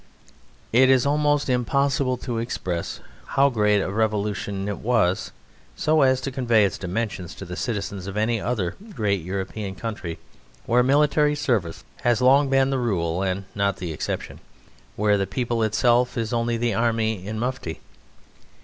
It is almost impossible to express how great a revolution it was so as to convey its dimensions to the citizens of any other great European country where military service has long been the rule and not the exception, where the people itself is only the army in mufti.